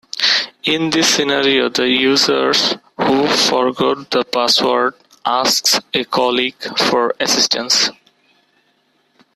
In this scenario, the user who forgot the password asks a colleague for assistance.